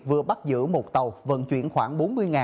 vừa bắt giữ một tàu vận chuyển khoảng